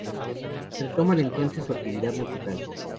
Retoman entonces su actividad musical.